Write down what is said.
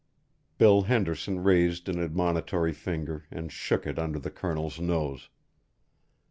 Bill Henderson raised an admonitory finger and shook it under the Colonel's nose.